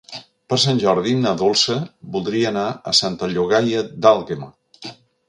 Per Sant Jordi na Dolça voldria anar a Santa Llogaia d'Àlguema.